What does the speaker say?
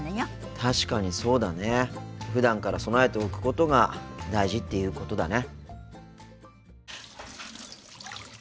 確かにそうだね。ふだんから備えておくことが大事っていうことだね。